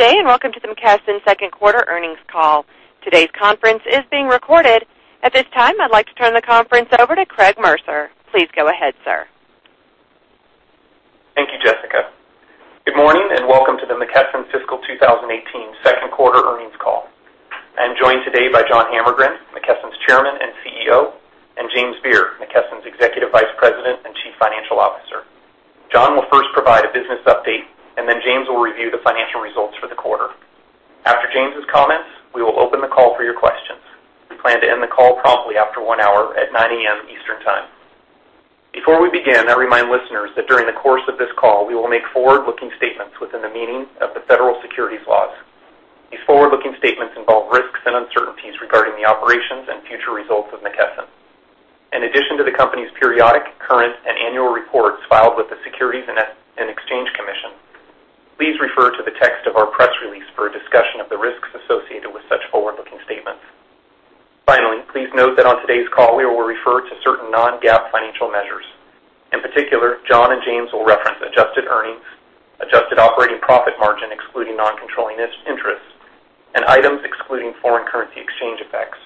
Good day, welcome to the McKesson second quarter earnings call. Today's conference is being recorded. At this time, I'd like to turn the conference over to Craig Mercer. Please go ahead, sir. Thank you, Jessica. Good morning, welcome to the McKesson fiscal 2018 second quarter earnings call. I am joined today by John Hammergren, McKesson's Chairman and CEO, and James Beer, McKesson's Executive Vice President and Chief Financial Officer. John will first provide a business update, then James will review the financial results for the quarter. After James's comments, we will open the call for your questions. We plan to end the call promptly after one hour at 9:00 A.M. Eastern Time. Before we begin, I remind listeners that during the course of this call, we will make forward-looking statements within the meaning of the federal securities laws. In addition to the company's periodic, current, and annual reports filed with the Securities and Exchange Commission, please refer to the text of our press release for a discussion of the risks associated with such forward-looking statements. Finally, please note that on today's call, we will refer to certain non-GAAP financial measures. In particular, John and James will reference adjusted earnings, adjusted operating profit margin excluding non-controlling interests, and items excluding foreign currency exchange effects.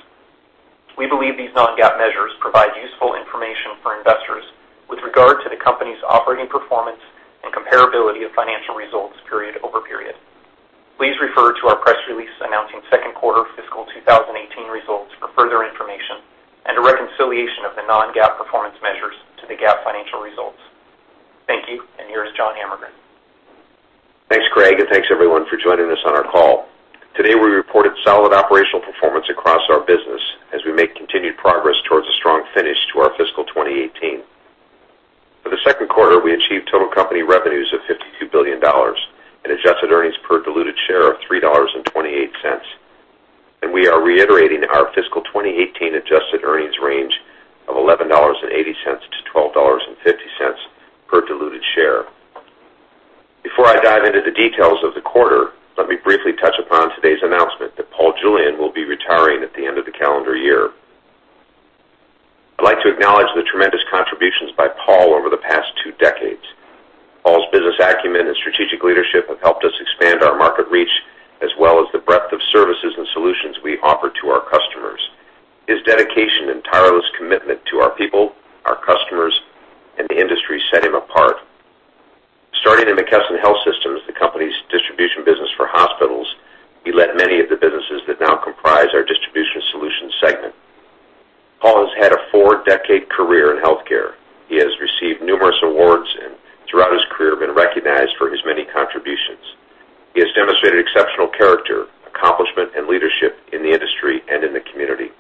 We believe these non-GAAP measures provide useful information for investors with regard to the company's operating performance and comparability of financial results period-over-period. Please refer to our press release announcing second quarter fiscal 2018 results for further information, a reconciliation of the non-GAAP performance measures to the GAAP financial results. Thank you, here's John Hammergren. Thanks, Craig, thanks, everyone, for joining us on our call. Today, we reported solid operational performance across our business as we make continued progress towards a strong finish to our fiscal 2018. For the second quarter, we achieved total company revenues of $52 billion and adjusted earnings per diluted share of $3.28. We are reiterating our fiscal 2018 adjusted earnings range of $11.80-$12.50 per diluted share. Before I dive into the details of the quarter, let me briefly touch upon today's announcement that Paul Julian will be retiring at the end of the calendar year. I'd like to acknowledge the tremendous contributions by Paul over the past two decades. Paul's business acumen and strategic leadership have helped us expand our market reach, as well as the breadth of services and solutions we offer to our customers. His dedication and tireless commitment to our people, our customers, and the industry set him apart. Starting in McKesson Health Systems, the company's distribution business for hospitals, he led many of the businesses that now comprise our Distribution Solutions segment. Paul has had a four-decade career in healthcare. He has received numerous awards and, throughout his career, been recognized for his many contributions. He has demonstrated exceptional character, accomplishment, and leadership in the industry and in the community.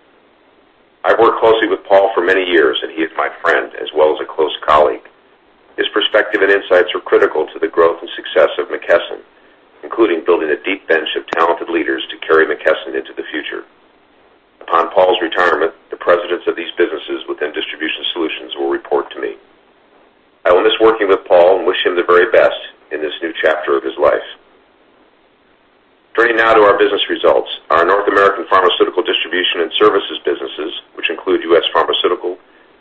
I've worked closely with Paul for many years, and he is my friend as well as a close colleague. His perspective and insights were critical to the growth and success of McKesson, including building a deep bench of talented leaders to carry McKesson into the future. Upon Paul's retirement, the presidents of these businesses within Distribution Solutions will report to me. I will miss working with Paul and wish him the very best in this new chapter of his life. Turning now to our business results. Our North American pharmaceutical distribution and services businesses, which include U.S. Pharmaceutical,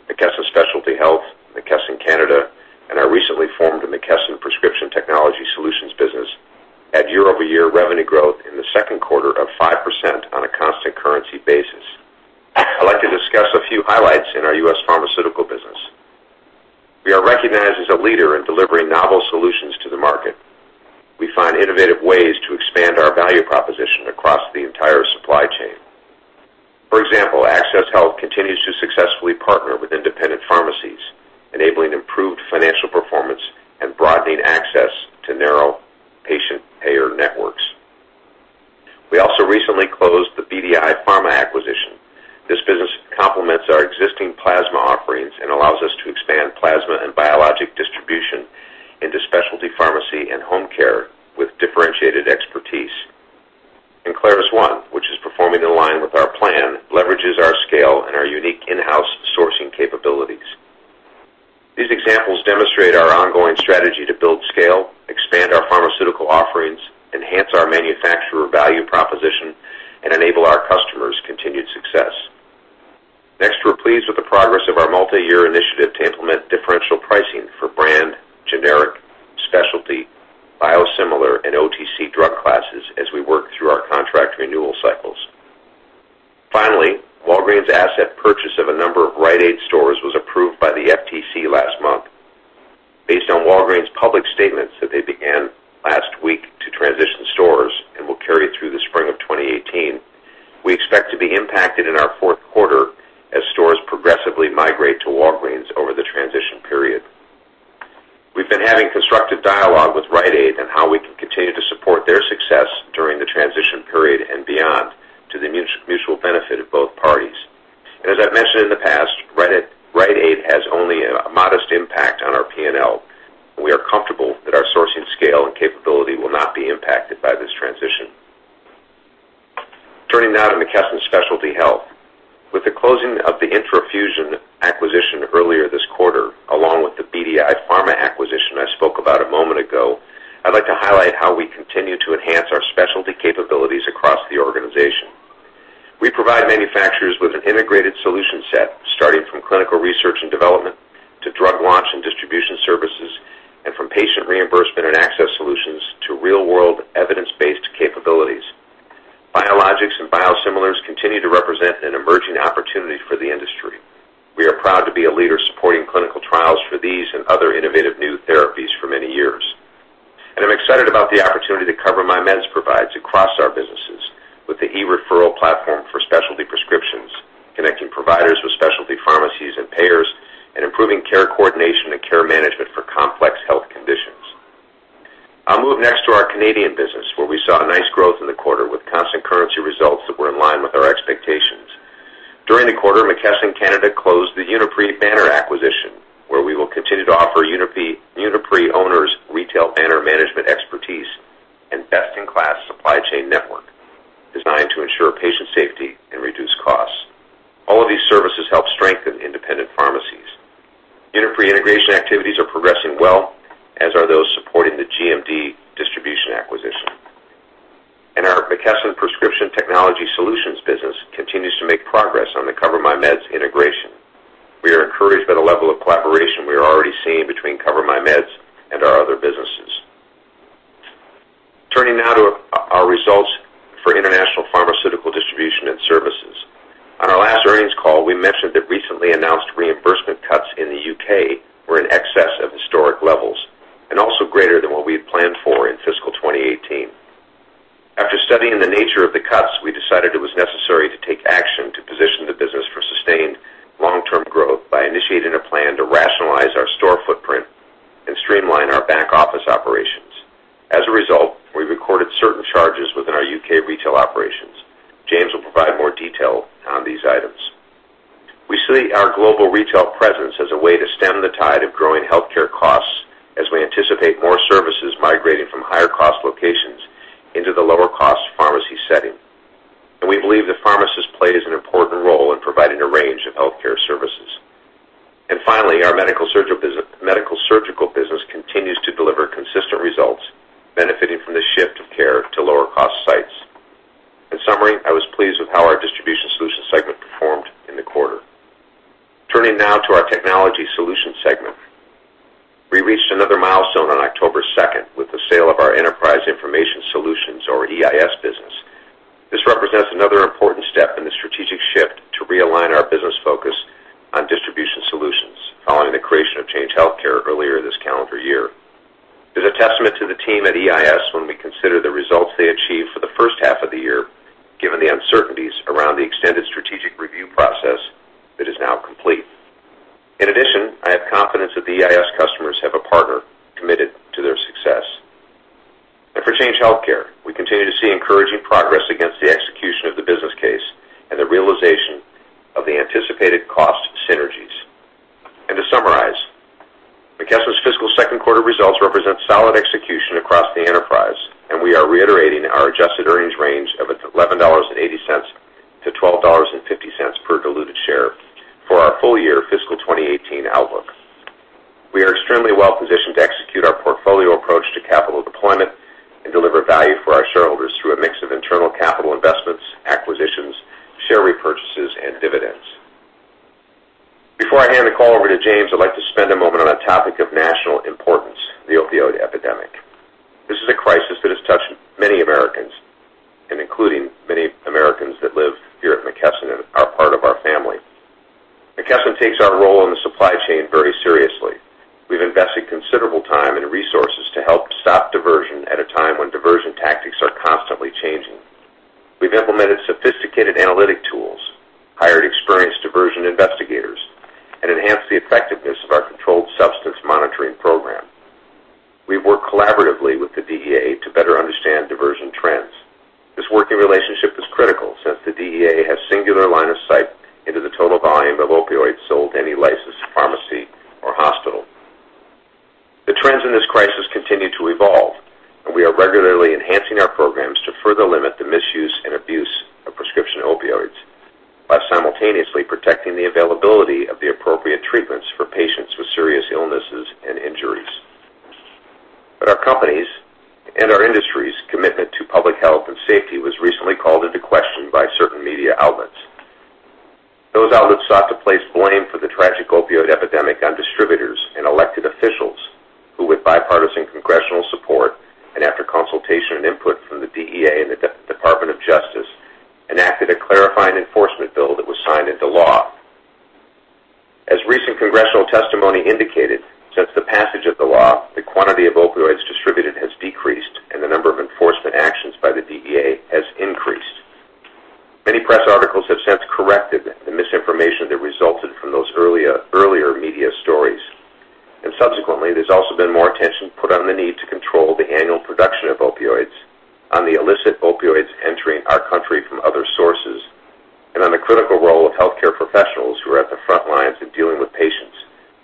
McKesson Specialty Health, McKesson Canada, and our recently formed McKesson Prescription Technology Solutions business, had year-over-year revenue growth in the second quarter of 5% on a constant currency basis. I'd like to discuss a few highlights in our U.S. Pharmaceutical business. We are recognized as a leader in delivering novel solutions to the market. We find innovative ways to expand our value proposition across the entire supply chain. For example, AccessHealth continues to successfully partner with independent pharmacies, enabling improved financial performance and broadening access to narrow patient payer networks. We also recently closed the BDI Pharma acquisition. This business complements our existing plasma offerings and allows us to expand plasma and biologic distribution into specialty pharmacy and home care with differentiated expertise. ClarusONE, which is performing in line with our plan, leverages our scale and our unique in-house sourcing capabilities. These examples demonstrate our ongoing strategy to build scale, expand our pharmaceutical offerings, enhance our manufacturer value proposition, and enable our customers' continued success. Next, we're pleased with the progress of our multi-year initiative to implement differential pricing for brand, generic, specialty, biosimilar, and OTC drug classes as we work through our contract renewal cycles. Finally, Walgreens' asset purchase of a number of Rite Aid stores was approved by the FTC last month. Based on Walgreens' public statements that they began last week to transition stores and will carry through the spring of 2018, we expect to be impacted in our fourth quarter as stores progressively migrate to Walgreens over the transition period. We've been having constructive dialogue with Rite Aid on how we can continue to support their success during the transition period and beyond to the mutual benefit of both parties. As I've mentioned in the past, Rite Aid has only a modest impact on our P&L. We are comfortable that our sourcing scale and capability will not be impacted by this transition. Turning now to McKesson Specialty Health. With the closing of the intraFUSION acquisition earlier this quarter, along with the BDI Pharma acquisition I spoke about a moment ago, I'd like to highlight how we continue to enhance our specialty capabilities across the order set, starting from clinical research and development to drug launch and distribution services, and from patient reimbursement and access solutions to real-world evidence-based capabilities. Biologics and biosimilars continue to represent an emerging opportunity for the industry. We are proud to be a leader supporting clinical trials for these and other innovative new therapies for many years. I'm excited about the opportunity that CoverMyMeds provides across our businesses with the e-referral platform for specialty prescriptions, connecting providers with specialty pharmacies and payers, and improving care coordination and care management for complex health conditions. I'll move next to our Canadian business, where we saw nice growth in the quarter with constant currency results that were in line with our expectations. During the quarter, McKesson Canada closed the Uniprix banner acquisition, where we will continue to offer Uniprix owners retail banner management expertise and best-in-class supply chain network designed to ensure patient safety and reduce costs. All of these services help strengthen independent pharmacies. Uniprix integration activities are progressing well, as are those supporting the GMD distribution acquisition. Our McKesson Prescription Technology Solutions business continues to make progress on the CoverMyMeds integration. We are encouraged by the level of collaboration we are already seeing between CoverMyMeds and our other businesses. Turning now to our results for international pharmaceutical distribution and services. On our last earnings call, we mentioned that recently announced reimbursement cuts in the U.K. were in excess of historic levels and also greater than what we had planned for in fiscal 2018. After studying the nature of the cuts, we decided it was necessary to take action to position the business for sustained long-term growth by initiating a plan to rationalize our store footprint and streamline our back-office operations. As a result, we recorded certain charges within our U.K. retail operations. James will provide more detail on these items. We see our global retail presence as a way to stem the tide of growing healthcare costs as we anticipate more services migrating from higher-cost locations into the lower-cost pharmacy setting. We believe that pharmacists play an important role in providing a range of healthcare services. Finally, our medical surgical business continues to deliver consistent results, benefiting from the shift of care to lower-cost sites. In summary, I was pleased with how our Distribution Solutions segment performed in the quarter. Turning now to our technology solutions segment. We reached another milestone on October 2nd with the sale of our Enterprise Information Solutions or EIS business. This represents another important step in the strategic shift to realign our business focus on Distribution Solutions following the creation of Change Healthcare earlier this calendar year. It is a testament to the team at EIS when we consider the results they achieved for the first half of the year, given the uncertainties around the extended strategic review process that is now complete. In addition, I have confidence that the EIS customers have a partner committed to their success. For Change Healthcare, we continue to see encouraging progress against the execution of the business case and the realization of the anticipated cost synergies. To summarize, McKesson's fiscal second quarter results represent solid execution across the enterprise, and we are reiterating our adjusted earnings range of $11.80 to $12.50 per diluted share for our full-year fiscal 2018 outlook. We are extremely well-positioned to execute our portfolio approach to capital deployment and deliver value for our shareholders through a mix of internal capital investments, acquisitions, share repurchases, and dividends. Before I hand the call over to James, I'd like to spend a moment on a topic of national importance, the opioid epidemic. This is a crisis that has touched many Americans, including many Americans that live here at McKesson and are part of our family. McKesson takes our role in the supply chain very seriously. We've invested considerable time and resources to help stop diversion at a time when diversion tactics are constantly changing. We've implemented sophisticated analytic tools, hired experienced diversion investigators, and enhanced the effectiveness of our controlled substance monitoring program. We work collaboratively with the DEA to better understand diversion trends. This working relationship is critical since the DEA has singular line of sight into the total volume of opioids sold to any licensed pharmacy or hospital. The trends in this crisis continue to evolve, and we are regularly enhancing our programs to further limit the misuse and abuse of prescription opioids while simultaneously protecting the availability of the appropriate treatments for patients with serious illnesses and injuries. Our company's and our industry's commitment to public health and safety was recently called into question by certain media outlets. Those outlets sought to place blame for the tragic opioid epidemic on distributors and elected officials, who with bipartisan congressional support and after consultation and input from the DEA and the Department of Justice, enacted a clarifying enforcement bill that was signed into law. As recent congressional testimony indicated, since the passage of the law, the quantity of opioids distributed has decreased, and the number of enforcement actions by the DEA has increased. Many press articles have since corrected the misinformation that resulted from those earlier media stories. Subsequently, there's also been more attention put on the need to control the annual production of opioids on the illicit opioids entering our country from other sources, and on the critical role of healthcare professionals who are at the front lines in dealing with patients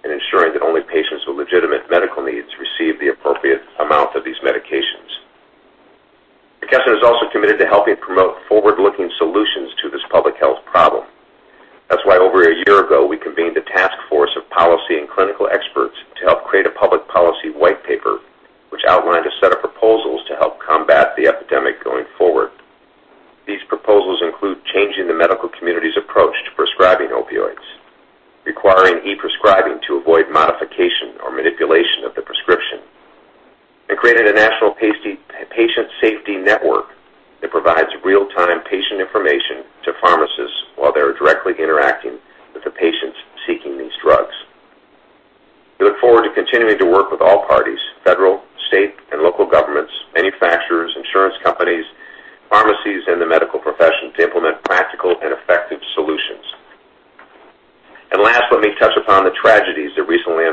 and ensuring that only patients with legitimate medical needs receive the appropriate amount of these medications. McKesson is also committed to helping promote forward-looking solutions to this public health problem. That's why, over a year ago, we convened a task force of policy and clinical experts to help create a public policy white paper Proposals to help combat the epidemic going forward. These proposals include changing the medical community's approach to prescribing opioids, requiring e-prescribing to avoid modification or manipulation of the prescription, and creating a national patient safety network that provides real-time patient information to pharmacists while they're directly interacting with the patients seeking these drugs. We look forward to continuing to work with all parties, federal, state, and local governments, manufacturers, insurance companies, pharmacies, and the medical profession to implement practical and effective solutions. Last, let me touch upon the tragedies that recently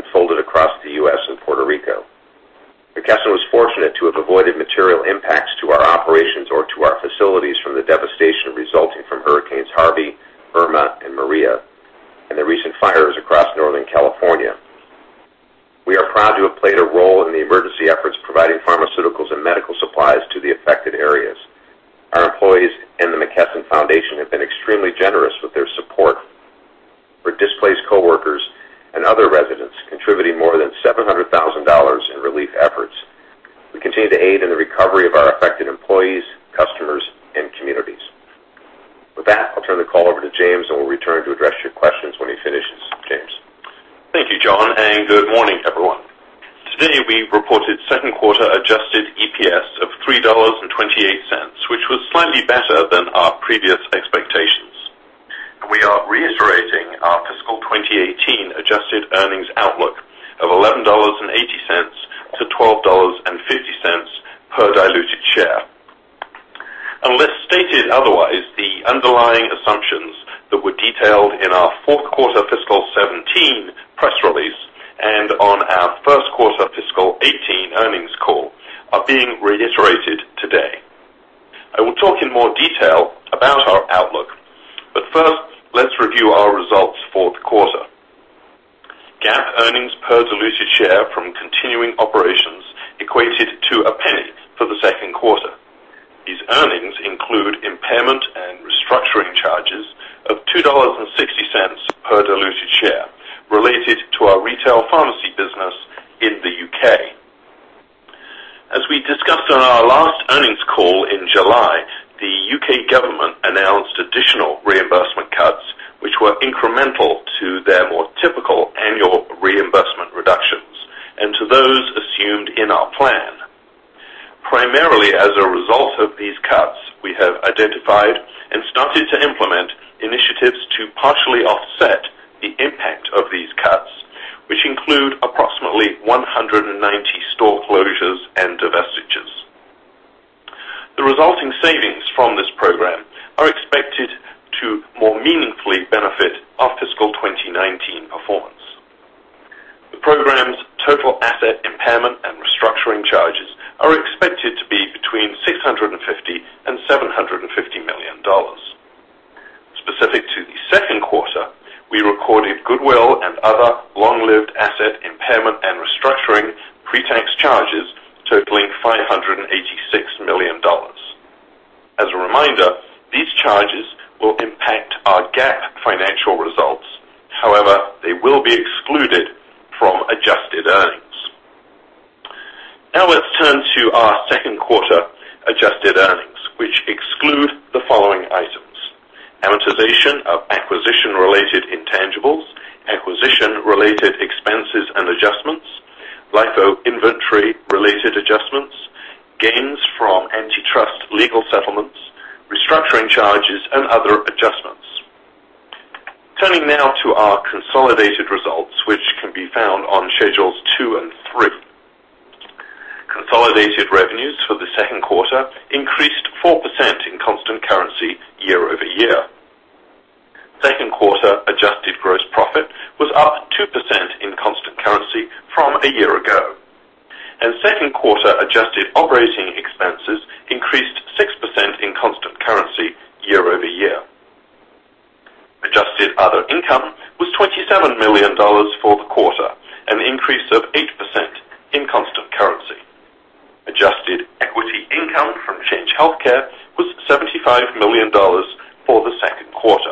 As we discussed on our last earnings call in July, the U.K. government announced additional reimbursement cuts which were incremental to their more typical annual reimbursement reductions, and to those assumed in our plan. Primarily as a result of these cuts, we have identified and started to implement initiatives to partially offset the impact of these cuts, which include approximately 190 store closures and divestitures. The resulting savings from this program are expected to more meaningfully benefit our fiscal 2019 performance. The program's total asset impairment and restructuring charges are expected to be between $650 million and $750 million. Specific to the second quarter, we recorded goodwill and other long-lived asset impairment and restructuring pre-tax charges totaling $586 million. As a reminder, these charges will impact our GAAP financial results. However, they will be excluded from adjusted earnings. Now, let's turn to our second quarter-adjusted earnings, which exclude the following items: amortization of acquisition-related intangibles, acquisition-related expenses and adjustments, LIFO inventory-related adjustments, gains from antitrust legal settlements, restructuring charges, and other adjustments. Turning now to our consolidated results, which can be found on schedules two and three. Consolidated revenues for the second quarter increased 4% in constant currency year-over-year. Second quarter adjusted gross profit was up 2% in constant currency from a year ago, and second quarter adjusted operating expenses increased 6% in constant currency year-over-year. Adjusted other income was $27 million for the quarter, an increase of 8% in constant currency. Adjusted equity income from Change Healthcare was $75 million for the second quarter.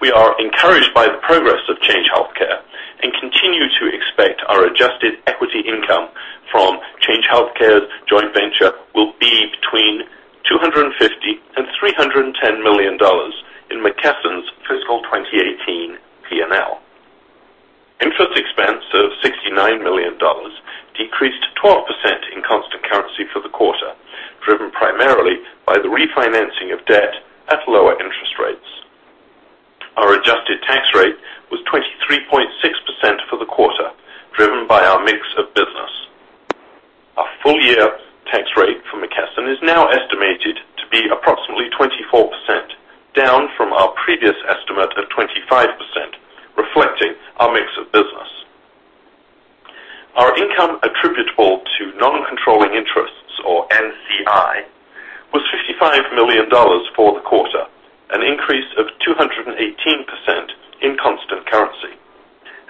We are encouraged by the progress of Change Healthcare and continue to expect our adjusted equity income from Change Healthcare's joint venture will be between $250 million and $310 million in McKesson's fiscal 2018 P&L. Interest expense of $69 million decreased 12% in constant currency for the quarter, driven primarily by the refinancing of debt at lower interest rates. Our adjusted tax rate was 23.6% for the quarter, driven by our mix of business. Our full year tax rate for McKesson is now estimated to be approximately 24%, down from our previous estimate of 25%, reflecting our mix of business. Our income attributable to non-controlling interests, or NCI, was $55 million for the quarter, an increase of 218% in constant currency.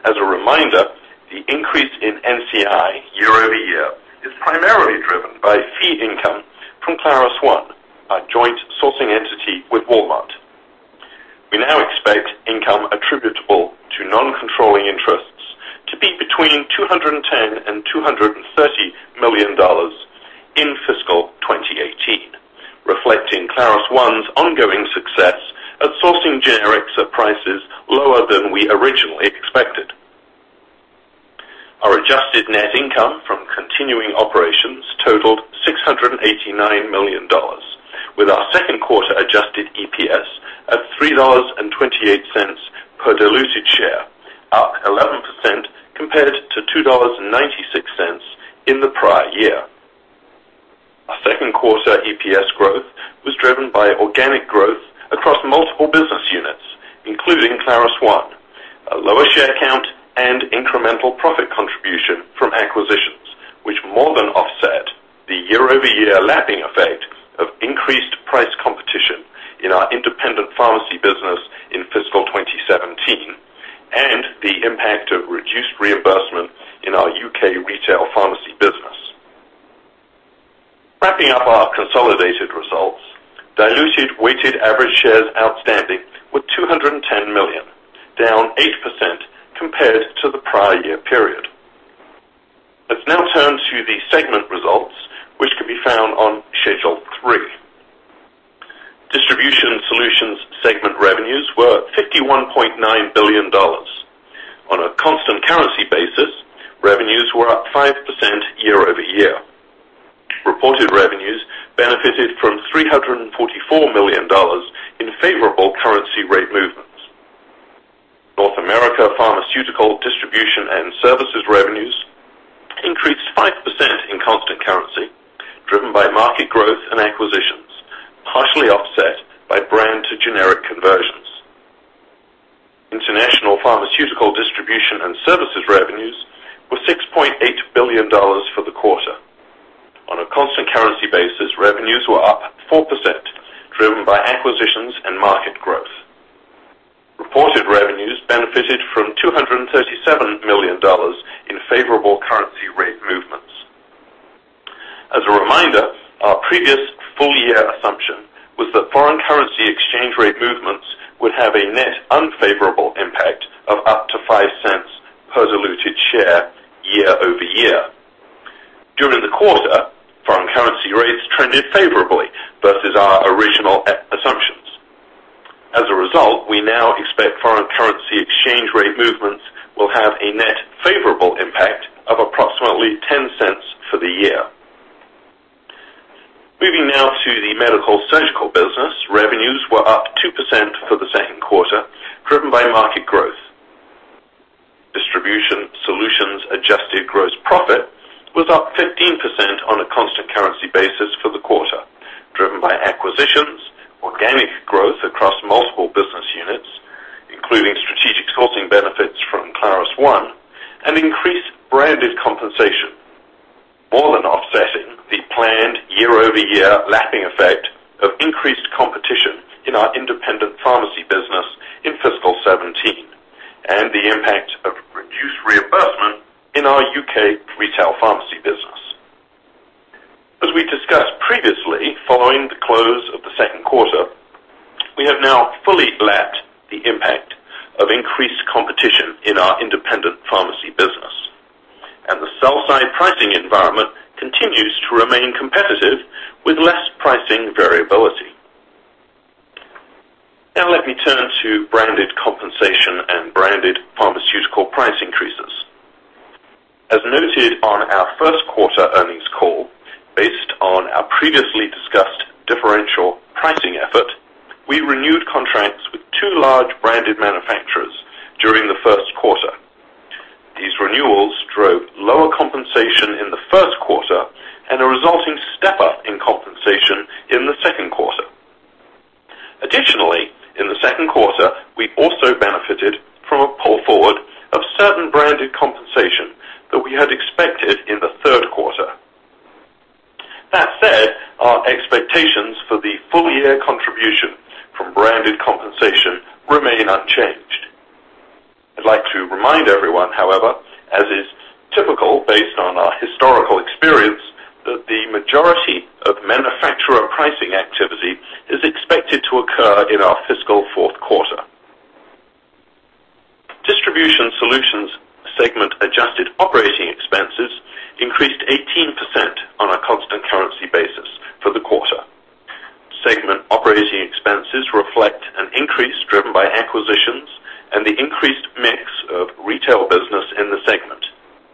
As a reminder, the increase in NCI year-over-year is primarily driven by fee income from ClarusONE, our joint sourcing entity with Walmart. Attributable to non-controlling interests to be between $210 million and $230 million in fiscal 2018, reflecting ClarusONE's ongoing success at sourcing generics at prices lower than we originally expected. Our adjusted net income from continuing operations totaled $689 million, with our second quarter adjusted EPS at $3.28 per diluted share, up 11% compared to $2.96 in the prior year. Our second quarter EPS growth was driven by organic growth across multiple business units, including ClarusONE, a lower share count, and incremental profit contribution from acquisitions, which more than offset the year-over-year lapping effect of increased price competition in our independent pharmacy business in fiscal 2017 and the impact of reduced reimbursement in our U.K. retail pharmacy business. Wrapping up our consolidated results, diluted weighted average shares outstanding were 210 million, down 8% compared to the prior year period. Let's now turn to the segment results, which can be found on Schedule three. Distribution Solutions segment revenues were $51.9 billion. On a constant currency basis, revenues were up 5% year-over-year. Reported revenues benefited from $344 million in favorable currency rate movements. North America pharmaceutical distribution and services revenues increased 5% in constant currency, driven by market growth and acquisitions, partially offset by brand to generic conversions. International pharmaceutical distribution and services revenues were $6.8 billion for the quarter. On a constant currency basis, revenues were up 4%, driven by acquisitions and market growth. Reported revenues benefited from $237 million in favorable currency rate movements. As a reminder, our previous full-year assumption was that foreign currency exchange rate movements would have a net unfavorable impact of up to $0.05 per diluted share year-over-year. During the quarter, foreign currency rates trended favorably versus our original assumptions. As a result, we now expect foreign currency exchange rate movements will have a net favorable impact of approximately $0.10 for the year. Moving now to the medical surgical business. Revenues were up 2% for the second quarter, driven by market growth. Distribution Solutions adjusted gross profit was up 15% on a constant currency basis for the quarter, driven by acquisitions, organic growth across multiple business units, including strategic sourcing benefits from ClarusONE and increased branded compensation, more than offsetting the planned year-over-year lapping effect of increased competition in our independent pharmacy business in fiscal 2017 and the impact of reduced reimbursement in our U.K. retail pharmacy business. As we discussed previously, following the close of the second quarter, we have now fully lapped the impact of increased competition in our independent pharmacy business, and the sell side pricing environment continues to remain competitive with less pricing variability. Let me turn to branded compensation and branded pharmaceutical price increases. As noted on our first quarter earnings call, based on our previously discussed differential pricing effort, we renewed contracts with 2 large branded manufacturers during the first quarter. These renewals drove lower compensation in the first quarter and a resulting step up in compensation in the second quarter. Additionally, in the second quarter, we also benefited from a pull forward of certain branded compensation that we had expected in the third quarter. That said, our expectations for the full year contribution from branded compensation remain unchanged. I'd like to remind everyone, however, as is typical, based on our historical experience, that the majority of manufacturer pricing activity is expected to occur in our fiscal fourth quarter. Distribution Solutions segment adjusted operating expenses increased 18% on a constant currency basis for the quarter. Segment operating expenses reflect an increase driven by acquisitions and the increased mix of retail business in the segment,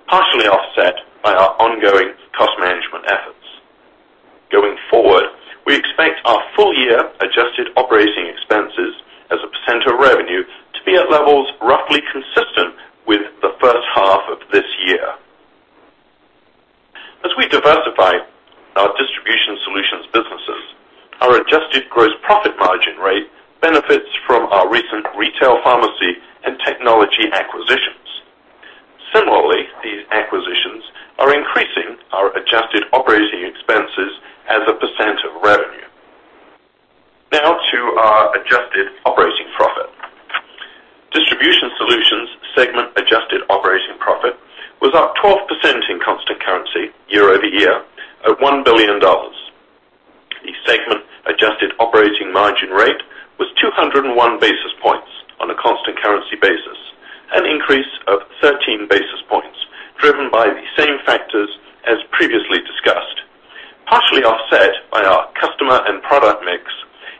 partially offset by our ongoing cost management efforts. Going forward, we expect our full year adjusted operating expenses as a percent of revenue to be at levels roughly consistent with the first half of this year. As we diversify our Distribution Solutions businesses, our adjusted gross profit margin rate benefits from our recent retail pharmacy and technology acquisitions. Similarly, these acquisitions are increasing our adjusted operating expenses as a percent of revenue. To our adjusted operating profit. Distribution Solutions segment adjusted operating profit Adjusted operating margin rate was 201 basis points on a constant currency basis, an increase of 13 basis points driven by the same factors as previously discussed, partially offset by our customer and product mix,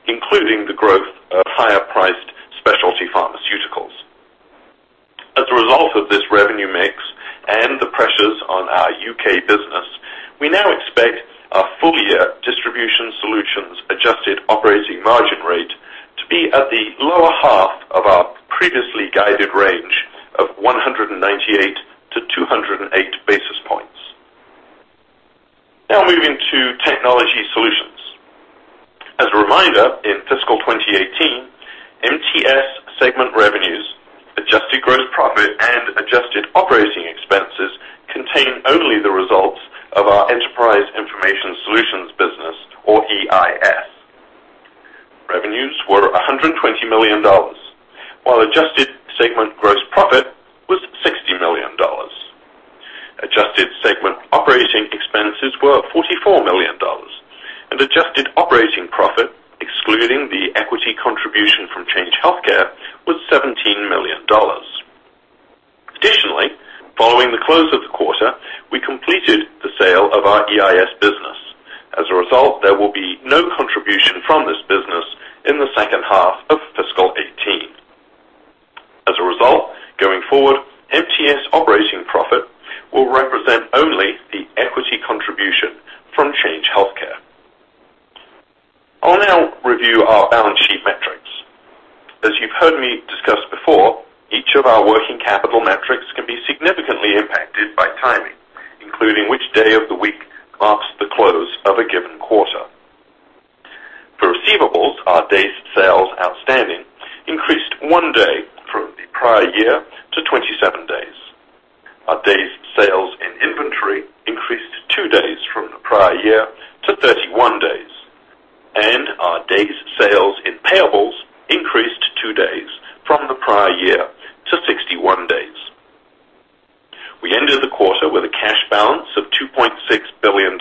including the growth of higher-priced specialty pharmaceuticals. As a result of this revenue mix and the pressures on our U.K. business, we now expect our full year Distribution Solutions adjusted operating margin rate to be at the lower half of our previously guided range of 198 to 208 basis points. Moving to Technology Solutions. As a reminder, in fiscal 2018, MTS segment revenues, adjusted gross profit, and adjusted operating expenses contained only the results of our Enterprise Information Solutions business or EIS. Revenues were $120 million, while adjusted segment gross profit was $60 million. Adjusted segment operating expenses were $44 million, and adjusted operating profit, excluding the equity contribution from Change Healthcare, was $17 million. Additionally, following the close of the quarter, we completed the sale of our EIS business. As a result, there will be no contribution from this business in the second half of fiscal 2018. As a result, going forward, MTS operating profit will represent only the equity contribution from Change Healthcare. I'll now review our balance sheet metrics. As you've heard me discuss before, each of our working capital metrics can be significantly impacted by timing, including which day of the week marks the close of a given quarter. For receivables, our days sales outstanding increased 1 day from the prior year to 27 days. Our days sales in inventory increased 2 days from the prior year to 31 days. Our days sales in payables increased 2 days from the prior year to 61 days. We ended the quarter with a cash balance of $2.6 billion,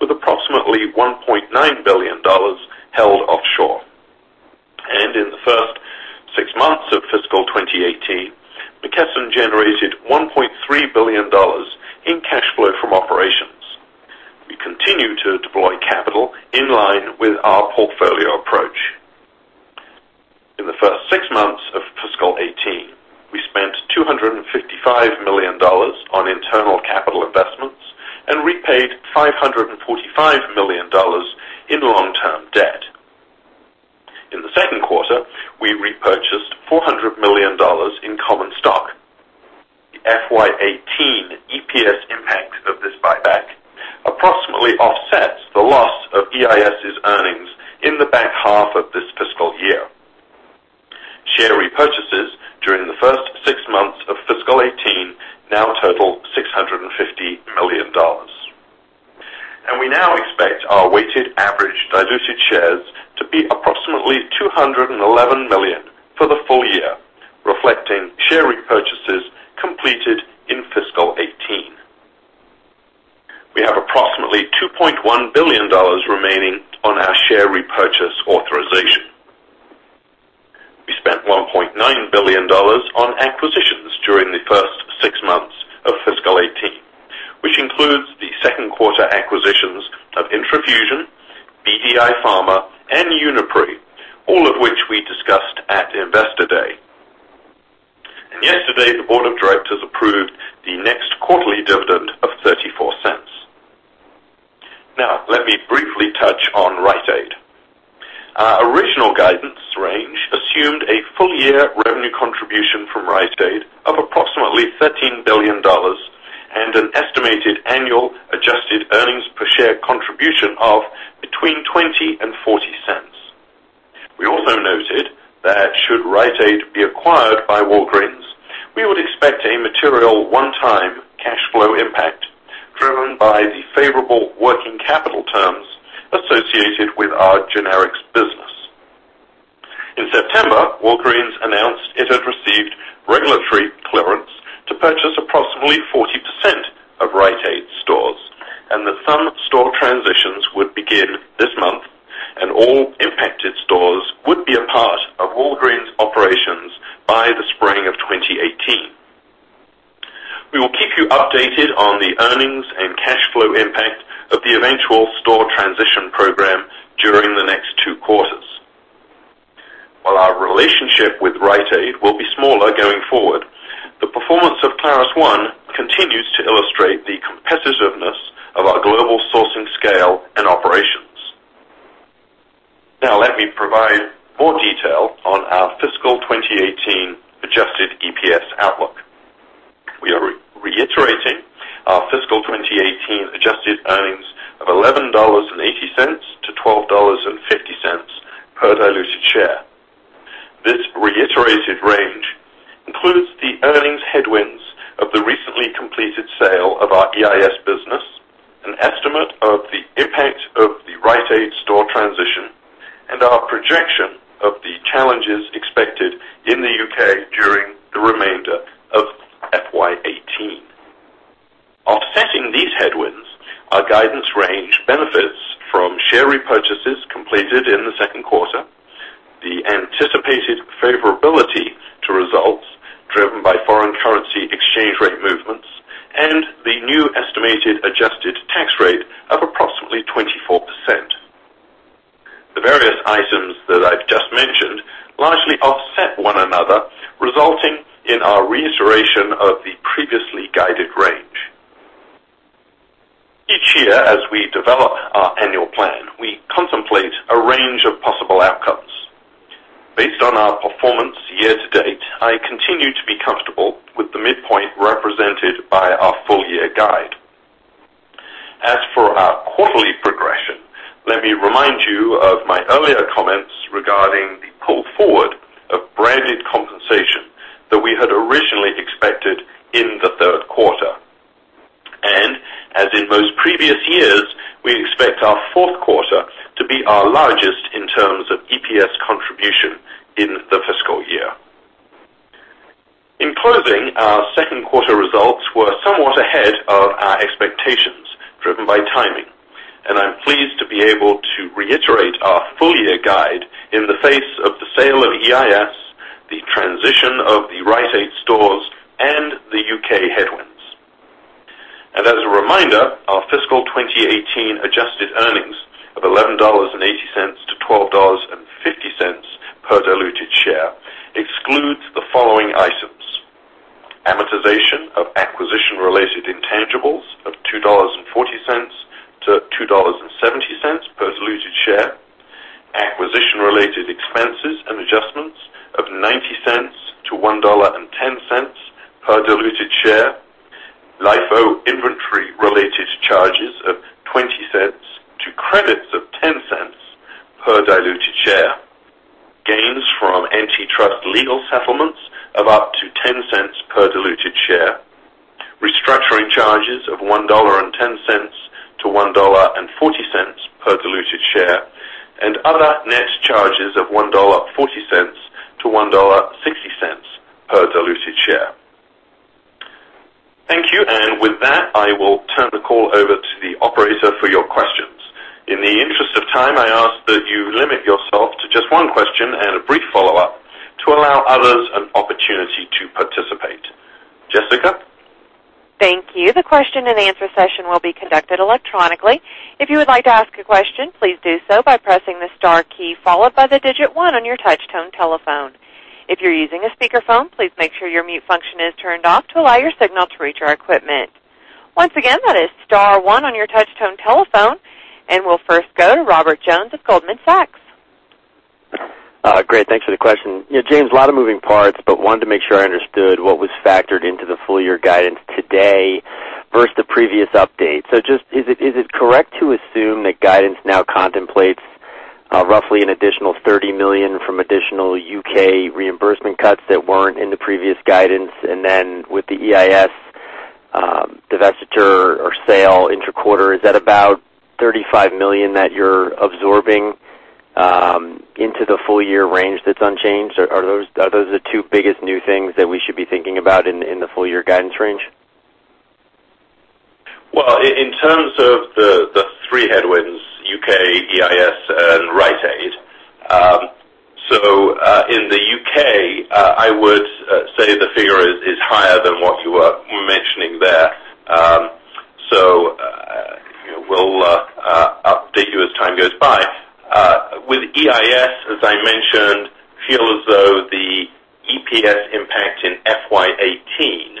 with approximately $1.9 billion held offshore. In the first 6 months of fiscal 2018, McKesson generated $1.3 billion in cash flow from operations. We continue to deploy capital in line with our portfolio approach. In the first six months of fiscal 2018, we spent $255 million on internal capital investments and repaid $545 million in long-term debt. In the second quarter, we repurchased $400 million in common stock. The FY 2018 EPS impact of this buyback approximately offsets the loss of EIS's earnings in the back half of this fiscal year. Share repurchases during the first six months of fiscal 2018 now total $650 million. We now expect our weighted average diluted shares to be approximately 211 million for the full year, reflecting share repurchases completed in fiscal 2018. We have approximately $2.1 billion remaining on our share repurchase authorization. We spent $1.9 billion on acquisitions during the first six months of fiscal 2018, which includes the second quarter acquisitions of intraFUSION, BDI Pharma, and Uniprix, all of which we discussed at Investor Day. Yesterday, the board of directors approved the next quarterly dividend of $0.34. Now, let me briefly touch on Rite Aid. Our original guidance range assumed a full-year revenue contribution from Rite Aid of approximately $13 billion and an estimated annual adjusted earnings per share contribution of between $0.20 and $0.40. We also noted that should Rite Aid be acquired by Walgreens, we would expect a material one-time cash flow impact driven by the favorable working capital terms associated with our generics business. In September, Walgreens announced it had received regulatory clearance to purchase approximately 40% of Rite Aid stores and that some store transitions would begin this month and all impacted stores would be a part of Walgreens operations by the spring of 2018. We will keep you updated on the earnings and cash flow impact of the eventual store transition program during the next two quarters. While our relationship with Rite Aid will be smaller going forward, the performance of ClarusONE continues to illustrate the competitiveness of our global sourcing scale and operations. Now let me provide more detail on our fiscal 2018 adjusted EPS outlook. We are reiterating our fiscal 2018 adjusted earnings of $11.80 to $12.50 per diluted share. This reiterated range includes the earnings headwinds of the recently completed sale of our EIS business, an estimate of the impact of the Rite Aid store transition, and our projection of the challenges expected in the U.K. during. These headwinds are guidance range benefits from share repurchases completed in the second quarter, the anticipated favorability to results driven by foreign currency exchange rate movements, and the new estimated adjusted tax rate of approximately 24%. The various items that I've just mentioned largely offset one another, resulting in our reiteration of the previously guided range. Each year, as we develop our annual plan, we contemplate a range of possible outcomes. Based on our performance year-to-date, I continue to be comfortable with the midpoint represented by our full-year guide. As for our quarterly progression, let me remind you of my earlier comments regarding the pull forward of branded compensation that we had originally expected in the third quarter. As in most previous years, we expect our fourth quarter to be our largest in terms of EPS contribution in the fiscal year. In closing, our second quarter results were somewhat ahead of our expectations, driven by timing, and I'm pleased to be able to reiterate our full-year guide in the face of the sale of EIS, the transition of the Rite Aid stores, and the U.K. headwinds. As a reminder, our FY 2018 adjusted earnings of $11.80 to $12.50 per diluted share excludes the following items. Amortization of acquisition-related intangibles of $2.40 to $2.70 per diluted share. Acquisition-related expenses and adjustments of $0.90-$1.10 per diluted share. LIFO inventory-related charges of $0.20 to credits of $0.10 per diluted share. Gains from antitrust legal settlements of up to $0.10 per diluted share. Restructuring charges of $1.10 to $1.40 per diluted share. Other net charges of $1.40 to $1.60 per diluted share. Thank you. With that, I will turn the call over to the operator for your questions. In the interest of time, I ask that you limit yourself to just one question and a brief follow-up to allow others an opportunity to participate. Jessica? Thank you. The question and answer session will be conducted electronically. If you would like to ask a question, please do so by pressing the star key followed by the digit 1 on your touch-tone telephone. If you're using a speakerphone, please make sure your mute function is turned off to allow your signal to reach our equipment. Once again, that is star 1 on your touch-tone telephone, we'll first go to Robert Jones of Goldman Sachs. Great. Thanks for the question. James, a lot of moving parts, wanted to make sure I understood what was factored into the full-year guidance today versus the previous update. Is it correct to assume that guidance now contemplates roughly an additional $30 million from additional U.K. reimbursement cuts that weren't in the previous guidance? With the EIS divestiture or sale interquarter, is that about $35 million that you're absorbing into the full-year range that's unchanged? Are those the two biggest new things that we should be thinking about in the full-year guidance range? In terms of the three headwinds, U.K., EIS and Rite Aid. In the U.K., I would say the figure is higher than what you are mentioning there. We'll update you as time goes by. With EIS, as I mentioned, feel as though the EPS impact in FY 2018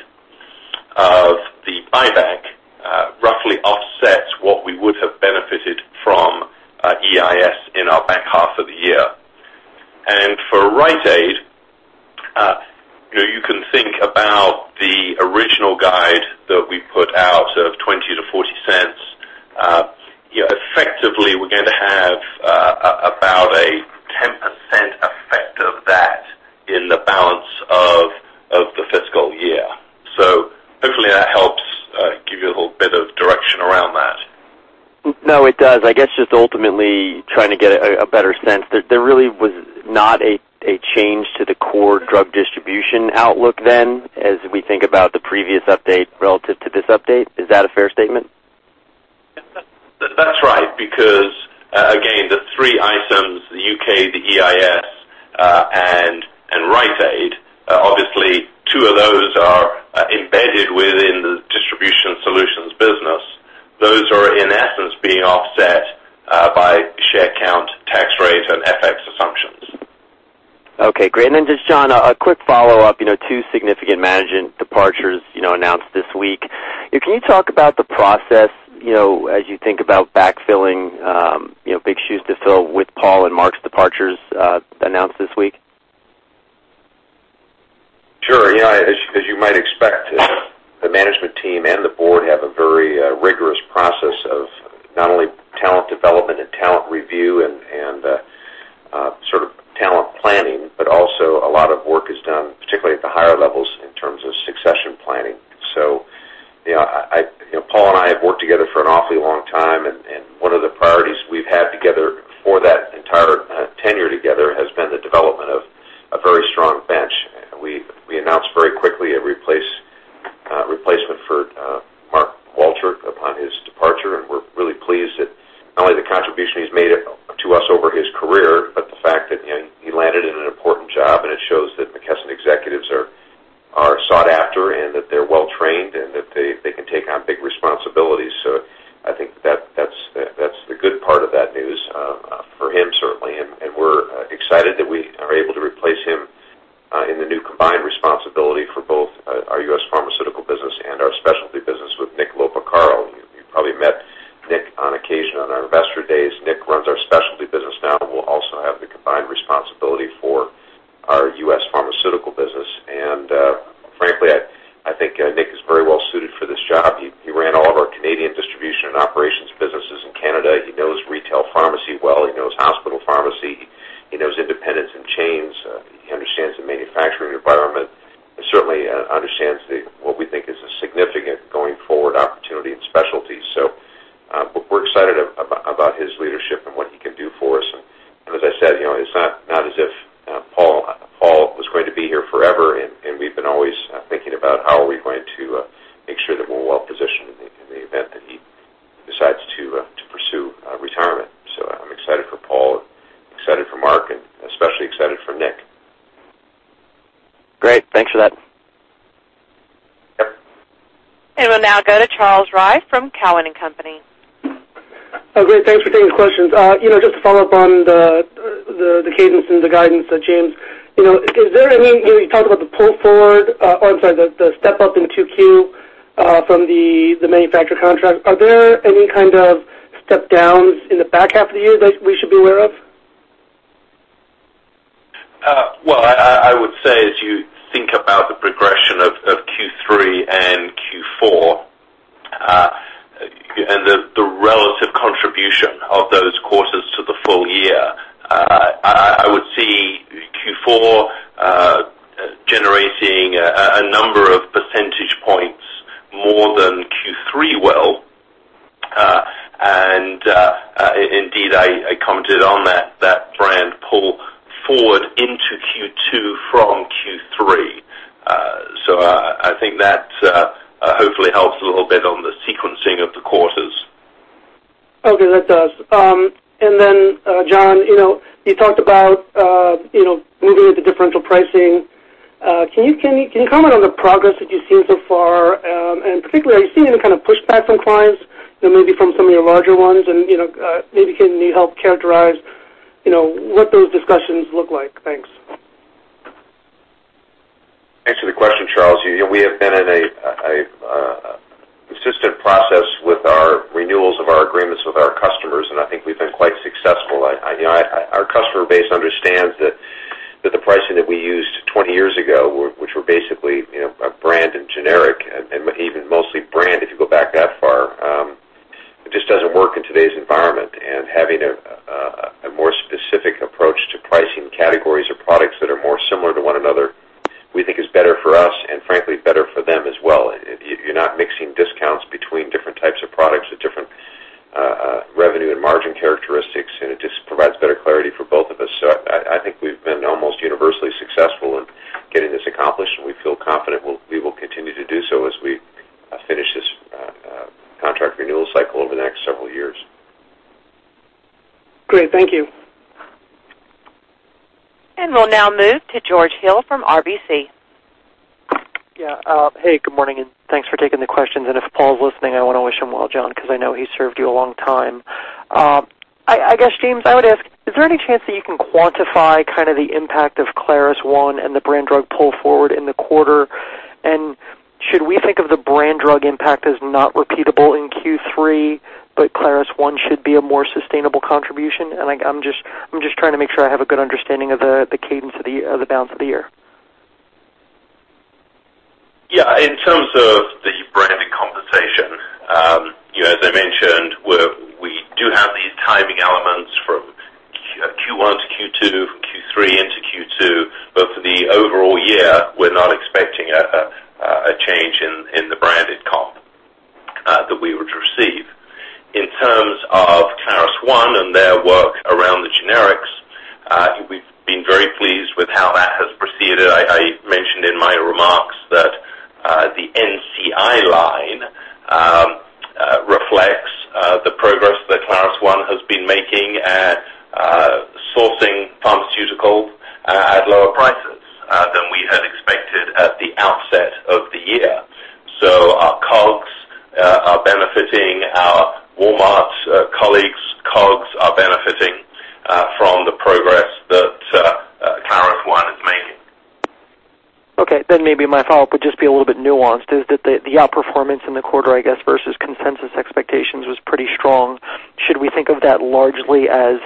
of the buyback roughly offsets what we would have benefited from EIS in our back half of the year. For Rite Aid, you can think about the original guide that we put out of $0.20-$0.40. Effectively, we're going to have about a 10% effect of that in the balance of the fiscal year. Hopefully that helps give you a little bit of direction around that. No, it does. I guess just ultimately trying to get a better sense. There really was not a change to the core drug distribution outlook then, as we think about the previous update relative to this update. Is that a fair statement? That's right, because, again, the three items, the U.K., the EIS, and Rite Aid, obviously two of those are embedded within the Distribution Solutions business. Those are, in essence, being offset by share count, tax rate, and FX assumptions. Okay, great. Just, John, a quick follow-up. Two significant management departures announced this week. Can you talk about the process, as you think about backfilling, big shoes to fill with Paul Julian and Mark's departures announced this week? Sure. As you might expect, the management team and the board have a very rigorous process of not only talent development and talent review and talent planning, but also a lot of work is done, particularly at the higher levels, in terms of succession planning. Paul Julian and I have worked together for an awfully long time, and one of the priorities we've had and the relative contribution of those quarters to the full year, I would see Q4 generating a number of percentage points more than Q3 will. Indeed, I commented on that brand pull forward into Q2 from Q3. I think that hopefully helps a little bit on the sequencing of the quarters. Okay. That does. Then, John, you talked about moving into differential pricing. Can you comment on the progress that you've seen so far? Particularly, are you seeing any kind of pushback from clients, maybe from some of your larger ones? Maybe can you help characterize what those discussions look like? Thanks. Thanks for the question, Charles. We have been in a consistent process with our renewals of our agreements with our customers, and I think we've been quite successful. Our customer base understands that the pricing that we used 20 years ago, which were basically a brand and generic, and even mostly brand, if you go back that far, it just doesn't work in today's environment. Having a more specific approach to pricing categories or products that are more similar to one another, we think is better for us and frankly, better for them as well. You're not mixing discounts between different types of products with different revenue and margin characteristics, and it just provides better clarity for both of us. I think we've been almost universally successful in getting this accomplished, and we feel confident we will continue to do so as we finish this contract renewal cycle over the next several years. Great. Thank you. We'll now move to George Hill from RBC. Yeah. Hey, good morning, thanks for taking the questions. If Paul's listening, I want to wish him well, John, because I know he served you a long time. I guess, James, I would ask, is there any chance that you can quantify the impact of ClarusONE and the brand drug pull forward in the quarter? Should we think of the brand drug impact as not repeatable in Q3, but ClarusONE should be a more sustainable contribution? I'm just trying to make sure I have a good understanding of the cadence of the balance of the year. Yeah. In terms of the branded conversation, as I mentioned, we do have these timing elements from Q1 to Q2, from Q3 into Q2. For the overall year, we're not expecting a change in the branded comp that we would receive. In terms of ClarusONE and their work around the generics, I think we've been very pleased with how that has proceeded. I mentioned in my remarks that the NCI line reflects the progress that ClarusONE has been making at sourcing pharmaceutical at lower prices than we had expected at the outset of the year. Our COGS are benefiting. Our Walmart colleagues' COGS are benefiting from the progress that ClarusONE is making. Okay, maybe my follow-up would just be a little bit nuanced, is that the outperformance in the quarter, I guess, versus consensus expectations was pretty strong. Should we think of that largely as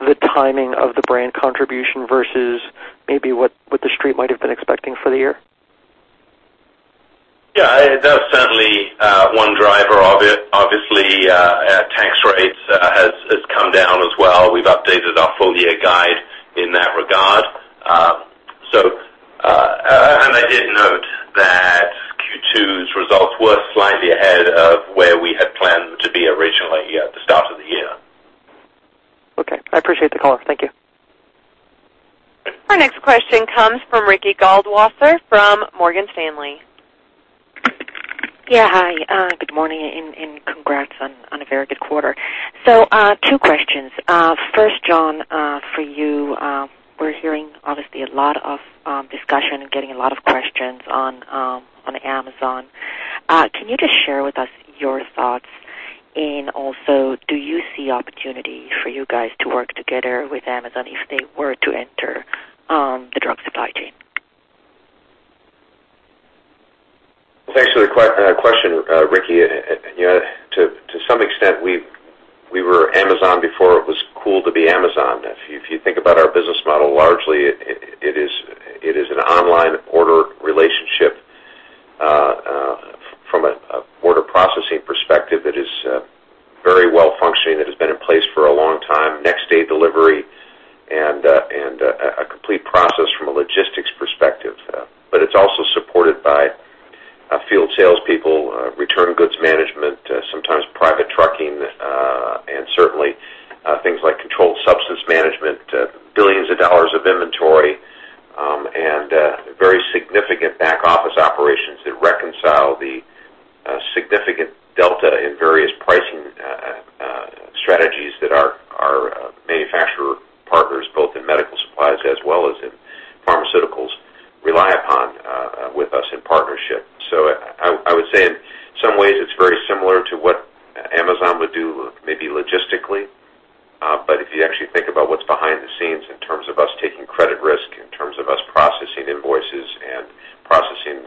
the timing of the brand contribution versus maybe what the Street might have been expecting for the year? Yeah. That's certainly one driver of it. Obviously, our tax rates has come down as well. We've updated our full-year guide in that regard. I did note I appreciate the call. Thank you. Our next question comes from Ricky Goldwasser from Morgan Stanley. Yeah. Hi, good morning, and congrats on a very good quarter. Two questions. First, John, for you, we're hearing, honestly, a lot of discussion and getting a lot of questions on Amazon. Can you just share with us your thoughts, and also do you see opportunity for you guys to work together with Amazon if they were to enter the drug supply chain? Thanks for the question, Ricky. To some extent, we were Amazon before it was cool to be Amazon. If you think about our business model, largely, it is an online order relationship. From an order processing perspective, it is very well-functioning. It has been in place for a long time, next-day delivery, and a complete process from a logistics perspective. It's also supported by field salespeople, return goods management, sometimes private trucking, and certainly, things like controlled substance management, $billions of inventory, and very significant back-office operations that reconcile the significant delta in various pricing strategies that our manufacturer partners, both in medical supplies as well as in pharmaceuticals, rely upon with us in partnership. I would say in some ways it's very similar to what Amazon would do, maybe logistically. If you actually think about what's behind the scenes in terms of us taking credit risk, in terms of us processing invoices and processing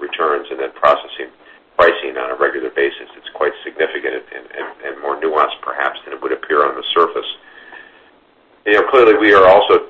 returns, and then processing pricing on a regular basis, it's quite significant and more nuanced perhaps than it would appear on the surface. Clearly, we are also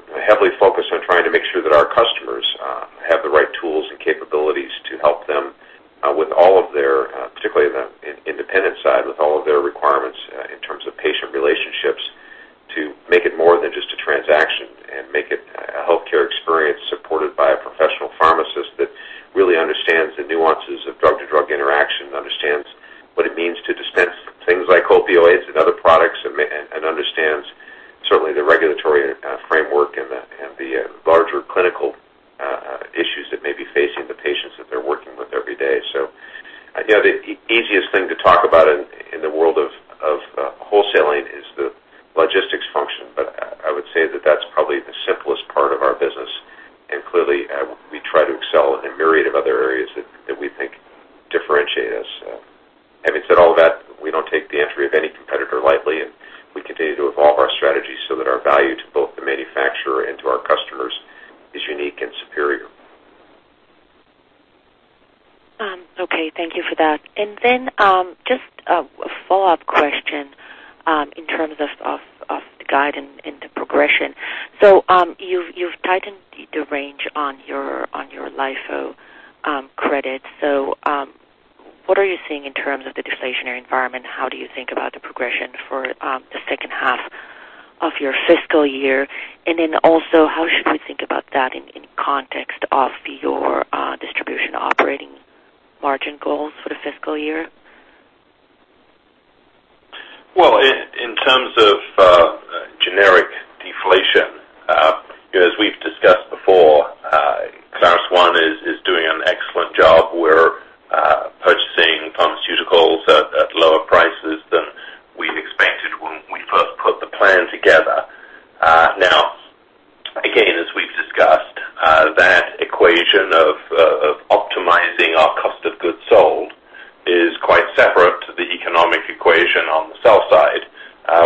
is quite separate to the economic equation on the sell side,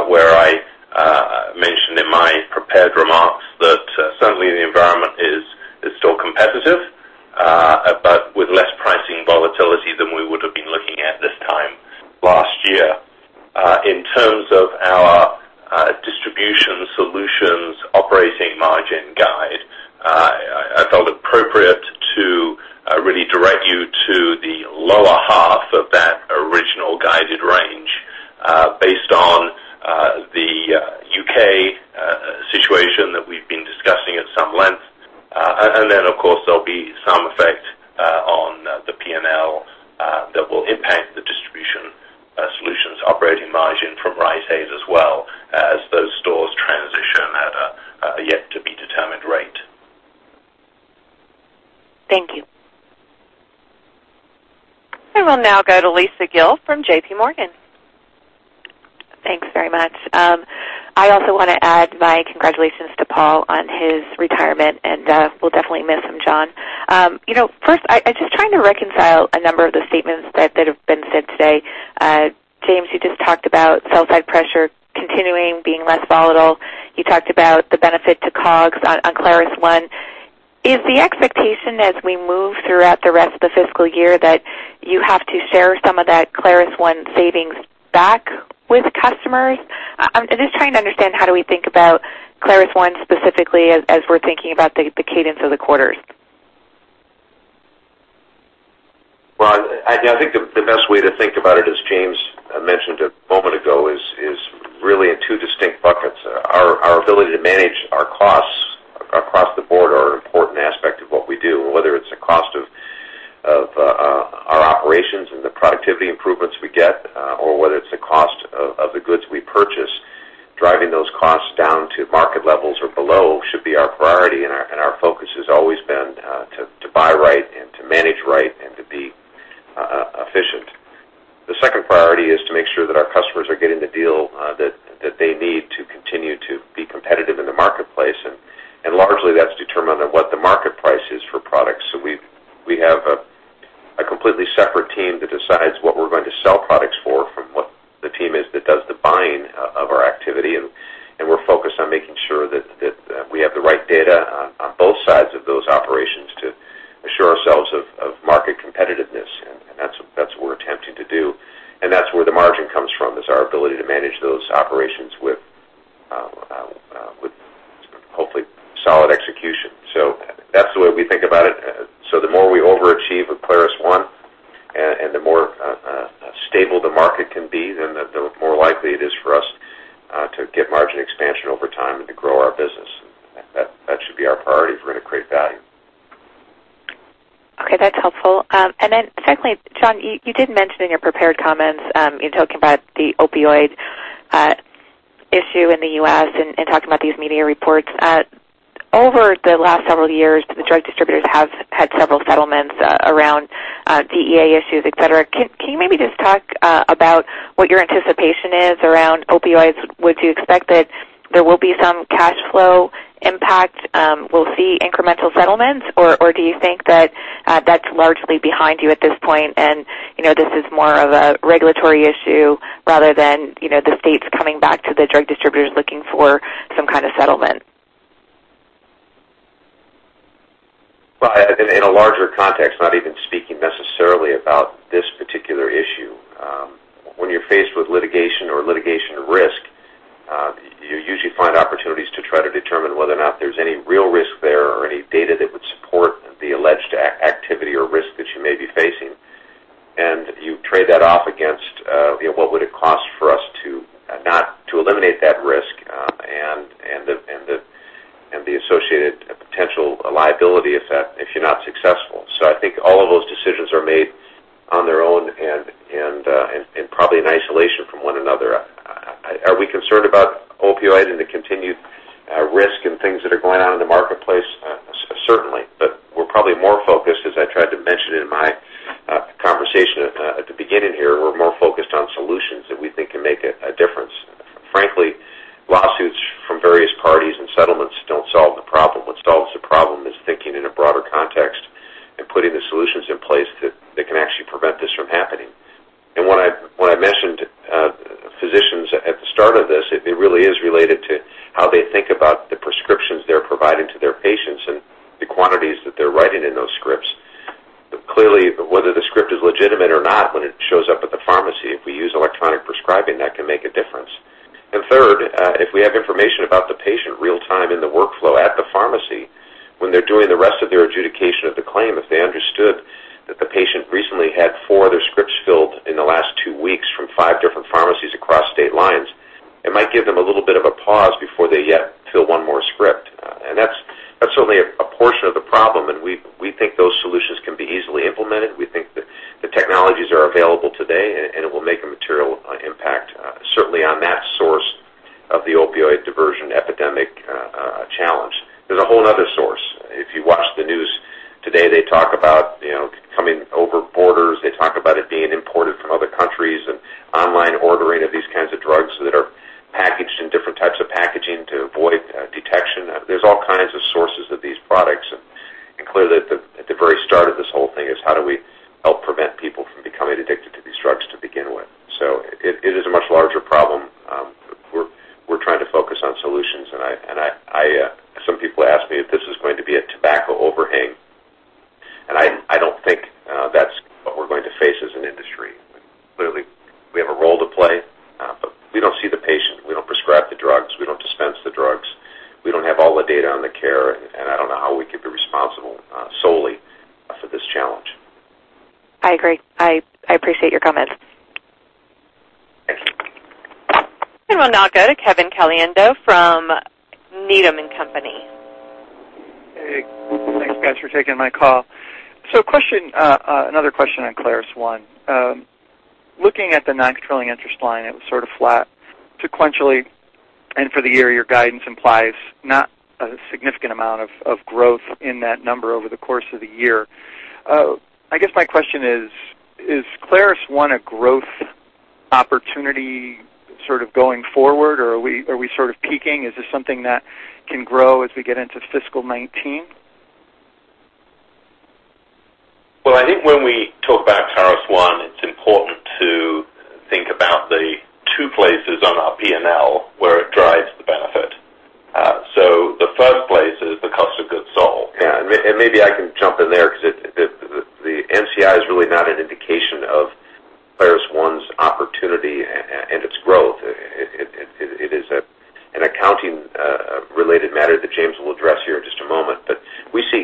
where I mentioned in my prepared remarks that certainly the environment is still competitive, but with less pricing volatility than we would've been looking at this time last year. In terms of our Distribution Solutions operating margin guide, I felt appropriate to really direct you to the lower half of that original guided range based on the U.K. situation that we've been discussing at some length. Then, of course, there'll be some effect on the P&L that will impact the Distribution Solutions operating margin from Rite Aid as well as those stores transition at a yet to be determined rate. Thank you. I will now go to Lisa Gill from JPMorgan. Thanks very much. I also want to add my congratulations to Paul on his retirement, and we'll definitely miss him, John. First, I'm just trying to reconcile a number of the statements that have been said today. James, you just talked about sell side pressure continuing, being less volatile. You talked about the benefit to COGS on ClarusONE. Is the expectation as we move throughout the rest of the fiscal year that you have to share some of that ClarusONE savings back with customers? I'm just trying to understand how do we think about ClarusONE specifically as we're thinking about the cadence of the quarters. Well, I think the best way to think about it, as James mentioned a moment ago, is really in two distinct buckets. Our ability to manage our Important aspect of what we do, whether it's the cost of our operations and the productivity improvements we get, or whether it's the cost of the goods we purchase, driving those costs down to market levels or below should be our priority, and our focus has always been to buy right and to manage right and to be efficient. The second priority is to make sure that our customers are getting the deal that they need to continue to be competitive in the marketplace, and largely, that's determined on what the market price is for products. We have a completely separate team that decides what we're going to sell products for, from what the team is that does the buying of our activity. We're focused on making sure that we have the right data on both sides of those operations to assure ourselves of market competitiveness. That's what we're attempting to do, and that's where the margin comes from, is our ability to manage those operations with, hopefully, solid execution. That's the way we think about it. The more we overachieve with ClarusONE, the more stable the market can be, the more likely it is for us to get margin expansion over time and to grow our business. That should be our priority if we're going to create value. Okay. That's helpful. Secondly, John, you did mention in your prepared comments, you talking about the opioid issue in the U.S. and talking about these media reports. Over the last several years, the drug distributors have had several settlements around DEA issues, et cetera. Can you maybe just talk about what your anticipation is around opioids? Would you expect that there will be some cash flow impact, we'll see incremental settlements, or do you think that that's largely behind you at this point, and this is more of a regulatory issue rather than the states coming back to the drug distributors looking for some kind of settlement? Well, in a larger context, not even speaking necessarily about this particular issue, when you're faced with litigation or litigation risk, you usually find opportunities to try to determine whether or not there's any real risk there or any data that would support the alleged activity or risk that you may be facing. You trade that off against what would it cost for us to eliminate that risk and the associated potential liability if you're not successful. I think all of those decisions are made on their own and probably in isolation from one another. Are we concerned about opioids and the continued risk and things that are going on in the marketplace? Certainly. We're probably more focused, as I tried to mention in my conversation at the beginning here, we're more focused on solutions that we think can make a difference. Frankly, lawsuits from various parties and settlements don't solve the problem. What solves the problem is thinking in a broader context and putting the solutions in place that can actually prevent this from happening. When I mentioned physicians at the start of this, it really is related to how they think about the prescriptions they're providing to their patients and the quantities that they're writing in those scripts. Clearly, whether the script is legitimate or not, when it shows up at the pharmacy, if we use e-prescribing, that can make a difference. Third, if we have information about the patient real time in the workflow at the pharmacy, when they're doing the rest of their adjudication of the claim, if they understood that the patient recently had four other scripts filled in the last two weeks from five different pharmacies across state lines, it might give them a little bit of a pause before they yet fill one more script. That's certainly a portion of the problem, we think those solutions can be easily implemented. We think that the technologies are available today, it will make a material impact, certainly on that source of the opioid diversion epidemic challenge. There's a whole other source. If you watch the news today, they talk about coming over borders. They talk about it being imported from other countries online ordering of these kinds of drugs that are packaged in different types of packaging to avoid detection. There's all kinds of sources of these products, clearly at the very start of this whole thing is how do we help prevent people from becoming addicted to these drugs to begin with. It is a much larger problem. We're trying to focus on solutions, some people ask me if this is going to be a tobacco overhang, I don't think that's what we're going to face as an industry. Clearly, we have a role to play, we don't see the patient. We don't prescribe the drugs. We don't dispense the drugs. We don't have all the data on the care, I don't know how we could be responsible solely for this challenge. I agree. I appreciate your comments. Thanks. We'll now go to Kevin Caliendo from Needham and Company. Thanks, guys, for taking my call. Another question on ClarusONE. Looking at the non-controlling interest line, it was sort of flat sequentially. For the year, your guidance implies not a significant amount of growth in that number over the course of the year. I guess my question is ClarusONE a growth opportunity sort of going forward, or are we sort of peaking? Is this something that can grow as we get into FY 2019? I think when we talk about ClarusONE, it's important to think about the two places on our P&L where it drives the benefit. The first place is the cost of goods sold. Maybe I can jump in there because the NCI is really not an indication of ClarusONE's opportunity and its growth. It is an accounting-related matter that James will address here in just a moment. We see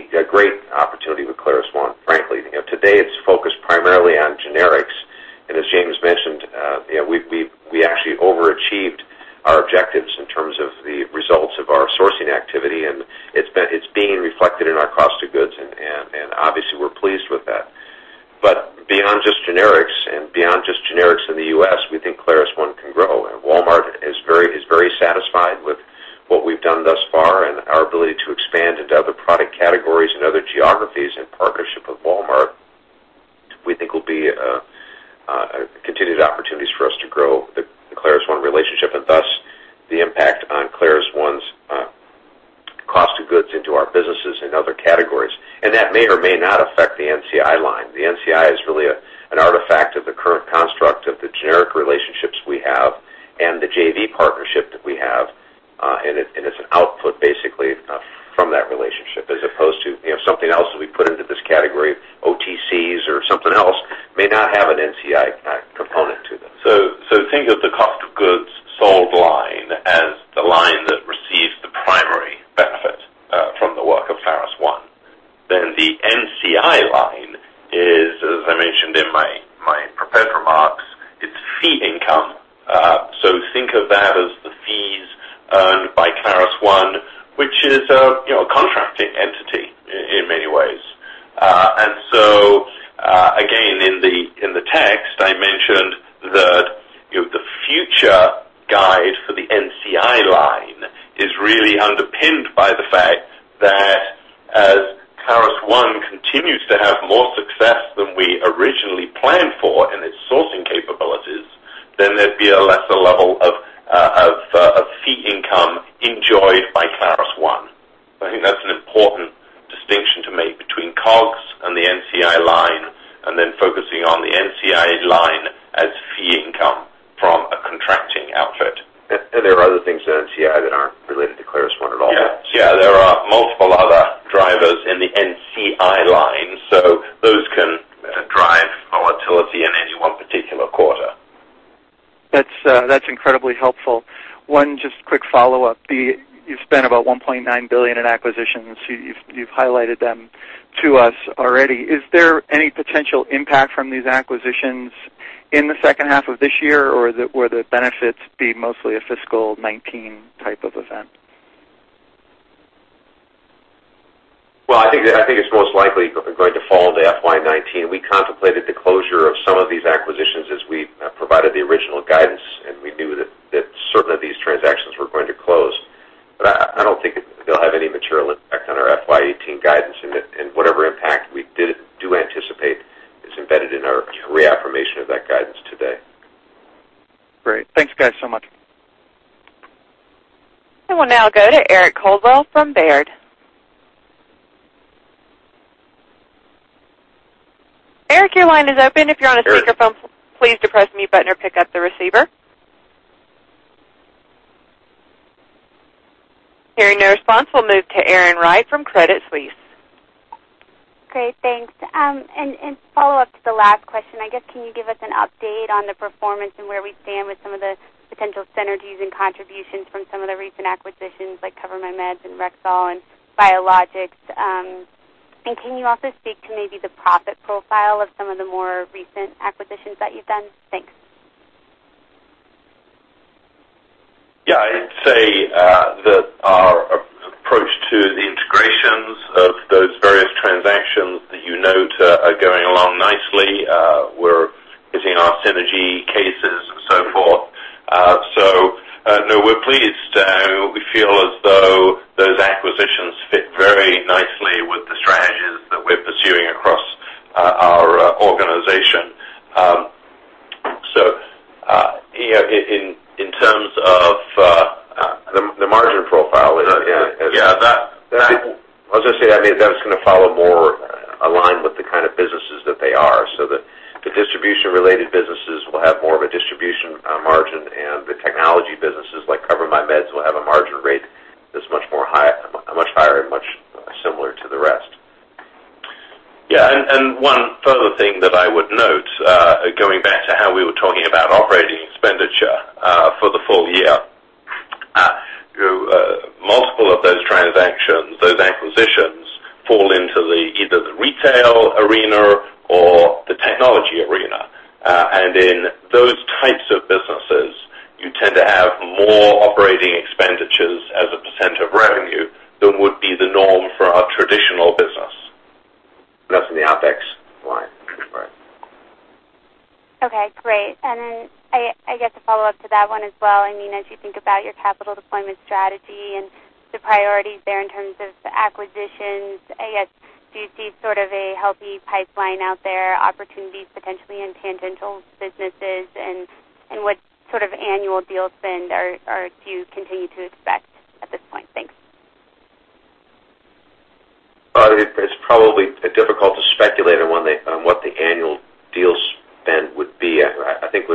There are other things in NCI that aren't related to ClarusONE at all. Yes. There are multiple other drivers in the NCI line. Those can drive volatility in any one particular quarter. That's incredibly helpful. One just quick follow-up. You've spent about $1.9 billion in acquisitions. You've highlighted them to us already. Is there any potential impact from these acquisitions in the second half of this year, or will the benefits be mostly a fiscal 2019 type of event? Well, I think it's most likely going to fall to FY 2019. We contemplated the closure of some of these acquisitions as we provided the original guidance, and we knew that certain of these transactions were going to close. I don't think they'll have any material impact on our FY 2018 guidance, and whatever impact we do anticipate is embedded in our reaffirmation of that guidance today. Great. Thanks, guys, so much. I will now go to Eric Coldwell from Baird. Eric, your line is open. If you're on a speakerphone, please depress mute button or pick up the receiver. Hearing no response, we'll move to Erin Wright from Credit Suisse. Great. Thanks. In follow-up to the last question, I guess, can you give us an update on the performance and where we stand with some of the potential synergies and contributions from some of the recent acquisitions, like CoverMyMeds and Rexall and Biologics? Can you also speak to maybe the profit profile of some of the more recent acquisitions that you've done? Thanks. Yeah. I'd say that our approach to the integrations of those various transactions that you note are going along nicely. We're hitting our synergy cases and so forth. No, we're pleased. We feel as though those acquisitions fit very nicely with the strategies that we're pursuing across our organization. In terms of the margin profile- Yeah. I was going to say, I mean, that's going to follow more aligned with the kind of businesses that they are, so that the distribution-related businesses will have more of a distribution margin, and the technology businesses, like CoverMyMeds, will have a margin rate that's much higher and much similar to the rest. Yeah. One further thing that I would note, going back to how we were talking about operating expenditure for the full year. Multiple of those transactions, those acquisitions, fall into either the retail arena or the technology arena. In those types of businesses, you tend to have more operating expenditures as a percent of revenue than would be the norm for our traditional business. That's in the OpEx line. Right. Okay, great. Then I guess a follow-up to that one as well. As you think about your capital deployment strategy and the priorities there in terms of the acquisitions, I guess, do you see sort of a healthy pipeline out there, opportunities potentially in tangential businesses? What sort of annual deal spend do you continue to expect at this point? Thanks. It's probably difficult to speculate on what the annual deal spend would be. I think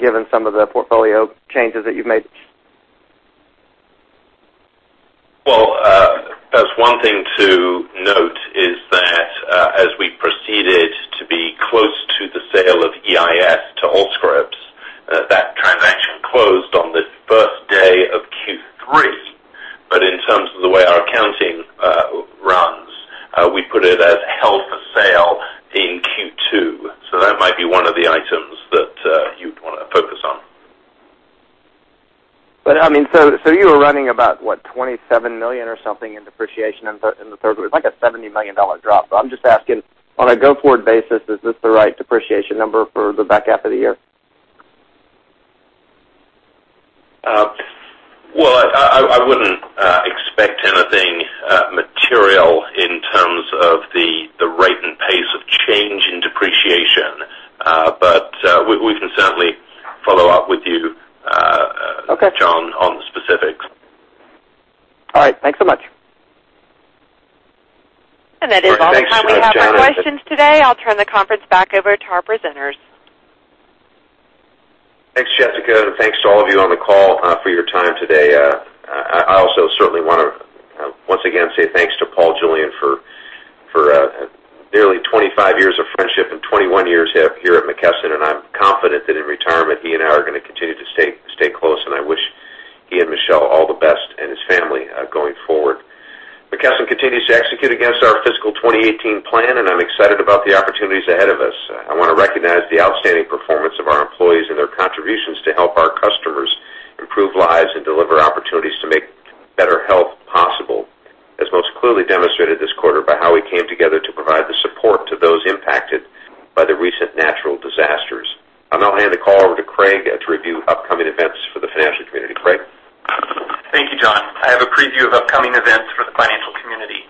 given some of the portfolio changes that you've made? Well, that's one thing to note is that, as we proceeded to be close to the sale of EIS to Allscripts, that transaction closed on the first day of Q3. In terms of the way our accounting runs, we put it as held for sale in Q2. That might be one of the items that you'd want to focus on. You were running about, what, $27 million or something in depreciation in the third. It was like a $70 million drop. I'm just asking, on a go-forward basis, is this the right depreciation number for the back half of the year? I wouldn't expect anything material in terms of the rate and pace of change in depreciation. We can certainly follow up with you. Okay John, on the specifics. All right. Thanks so much. That is all the time we have for questions today. I'll turn the conference back over to our presenters. Thanks, Jessica, and thanks to all of you on the call for your time today. I also certainly want to once again say thanks to Paul Julian for nearly 25 years of friendship and 21 years here at McKesson. I'm confident that in retirement, he and I are going to continue to stay close, and I wish he and Michelle all the best, and his family, going forward. McKesson continues to execute against our fiscal 2018 plan, and I'm excited about the opportunities ahead of us. I want to recognize the outstanding performance of our employees and their contributions to help our customers improve lives and deliver opportunities to make better health possible, as most clearly demonstrated this quarter by how we came together to provide the support to those impacted by the recent natural disasters. I'll now hand the call over to Craig to review upcoming events for the financial community. Craig? Thank you, John. I have a preview of upcoming events for the financial community.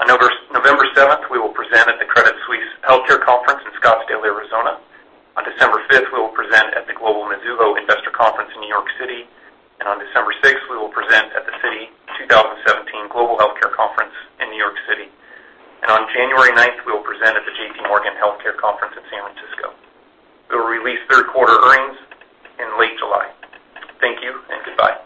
On November 7th, we will present at the Credit Suisse Healthcare Conference in Scottsdale, Arizona. On December 5th, we will present at the Global Mizuho Investor Conference in New York City. On December 6th, we will present at the Citi 2017 Global Healthcare Conference in New York City. On January 9th, we will present at the J.P. Morgan Healthcare Conference in San Francisco. We will release third-quarter earnings in late January. Thank you, and goodbye.